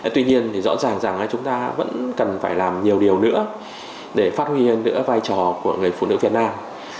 tuy nhiên thì rõ ràng rằng chúng ta vẫn cần phải làm nhiều điều nữa để phát huy hơn nữa vai trò của người phụ nữ việt nam